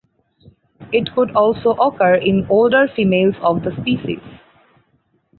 It could also occur in older females of the species.